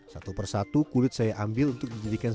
satu persatu kulit saya ambil untuk menyesuaikan ukuran